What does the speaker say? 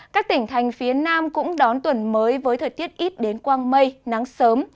các tỉnh thành phía nam cũng đón tuần mới với thời tiết ít đến quang mây nắng sớm